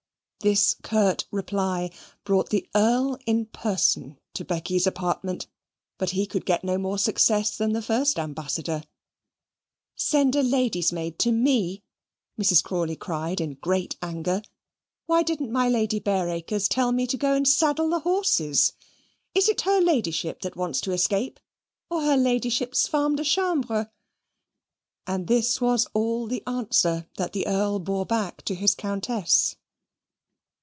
This curt reply brought the Earl in person to Becky's apartment; but he could get no more success than the first ambassador. "Send a lady's maid to ME!" Mrs. Crawley cried in great anger; "why didn't my Lady Bareacres tell me to go and saddle the horses! Is it her Ladyship that wants to escape, or her Ladyship's femme de chambre?" And this was all the answer that the Earl bore back to his Countess.